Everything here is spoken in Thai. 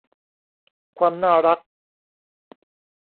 ความน่ารัก